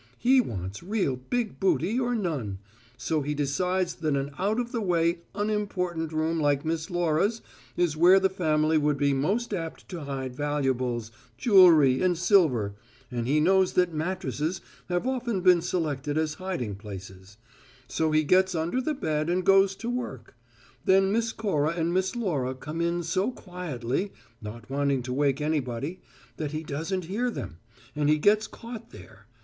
He wants really big booty or none, so he decides that an out of the way, unimportant room like Miss Laura's is where the family would be most apt to hide valuables, jewellery and silver, and he knows that mattresses have often been selected as hiding places; so he gets under the bed and goes to work. Then Miss Cora and Miss Laura come in so quietly not wanting to wake anybody that he doesn't hear them, and he gets caught there.